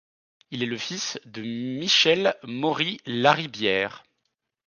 Il est le fils de Michel Maury-Laribière.